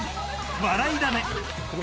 『笑いダネ』